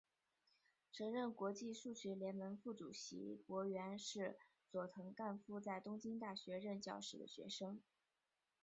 曾任国际数学联盟副主席柏原是佐藤干夫在东京大学任教时的学生。